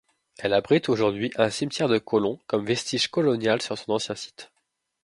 Elle abrite aujourd'hui un cimetière de colons comme vestige colonial sur son ancien site.